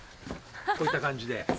こういった感じで。